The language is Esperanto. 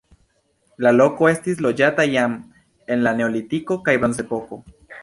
La loko estis loĝata jam en la neolitiko kaj bronzepoko.